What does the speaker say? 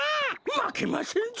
まけませんぞ！